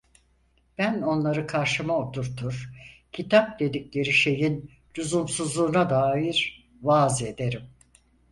Ben onları karşıma oturtur, kitap dedikleri şeyin lüzumsuzluğuna dair vaaz ederim.